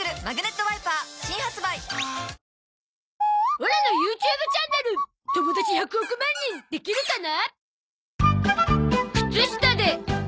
オラの ＹｏｕＴｕｂｅ チャンネル友達１００億万人できるかな？